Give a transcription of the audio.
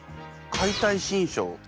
「解体新書」！